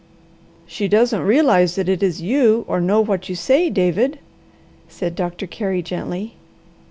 "She doesn't realize that it is you or know what you say, David," said Doctor Carey gently.